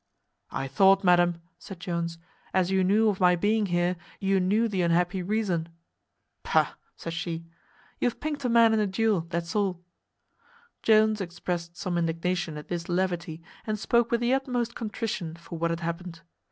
"I thought, madam," said Jones, "as you knew of my being here, you knew the unhappy reason." "Pugh!" says she, "you have pinked a man in a duel, that's all." Jones exprest some indignation at this levity, and spoke with the utmost contrition for what had happened.